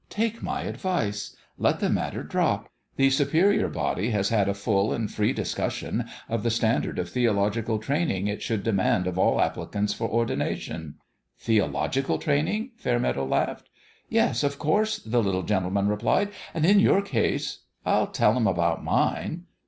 Take my advice. Let the matter drop. The Superior Body has had a full and free dis cussion of the standard of theological training it should demand of all applicants for ordina tion "" Theological training ?" Fairmeadow laughed. " Yes, of course," the little gentleman replied ;" and in your case "" I'll tell 'em about mine."